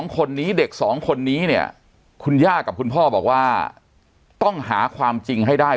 ๒คนนี้เด็ก๒คนนี้เนี่ยคุณย่ากับคุณพ่อบอกว่าต้องหาความจริงให้ได้